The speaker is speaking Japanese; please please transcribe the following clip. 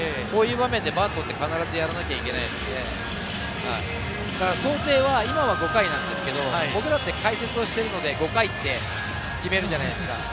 こういう場面では、バントで必ずやらなきゃいけないので、想定は今は５回なんですけれど、僕らって解説してるので５回って決めるじゃないですか。